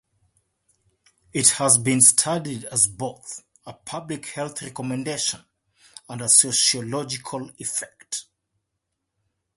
It has been studied as both a public health recommendation and a sociological effect.